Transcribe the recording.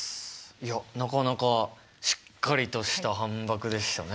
いやなかなかしっかりとした反ばくでしたね。